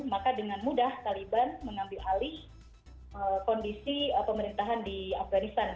maka dengan mudah taliban mengambil alih kondisi pemerintahan di afganistan